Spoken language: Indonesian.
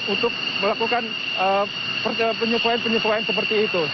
untuk melakukan penyesuaian penyesuaian seperti itu